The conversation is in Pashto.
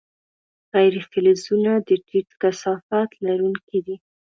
غیر فلزونه د ټیټ کثافت لرونکي دي.